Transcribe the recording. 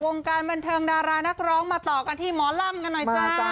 วงการบันเทิงดารานักร้องมาต่อกันที่หมอลำกันหน่อยจ้า